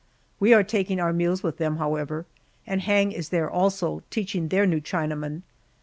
We are taking our meals with them, however, and Hang is there also, teaching their new Chinaman.